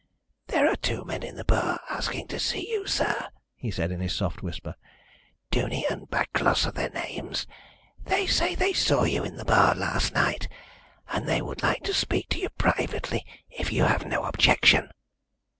"There are two men in the bar asking to see you, sir," he said, in his soft whisper. "Duney and Backlos are their names. They say they saw you in the bar last night, and they would like to speak to you privately, if you have no objection."